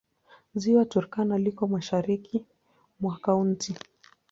Ziwa Turkana liko mashariki mwa kaunti.